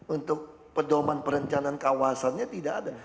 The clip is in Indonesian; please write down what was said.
untuk pedoman perencanaan kawasannya tidak ada